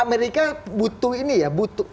amerika butuh ini ya